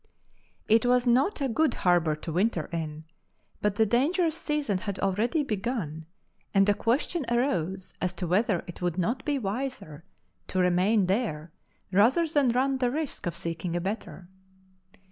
It was not a good harbour to winter in, but the dangerous season had already begun, and a question arose as to whether it would not be wiser to remain there rather than run the risk of seeking a better.